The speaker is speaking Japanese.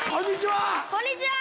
こんにちは！